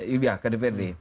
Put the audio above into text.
iya ke dprd